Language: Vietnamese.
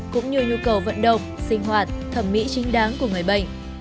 cũng như nhu cầu vận động sinh hoạt thẩm mỹ chính đáng của người bệnh